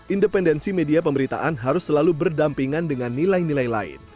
independensi media pemberitaan harus selalu berdampingan dengan nilai nilai lain